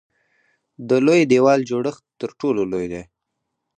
د لوی دیوال جوړښت تر ټولو لوی دی.